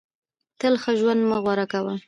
تل ښه ژوند مه غوره کوه.